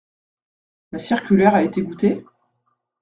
Ma circulaire a été goûtée ?